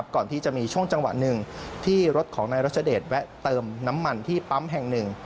ก่อนที่จะมีช่วงจังหวะหนึ่งที่รถของนายรัชเดชแวะเติมน้ำมันที่ปั๊มแห่งหนึ่ง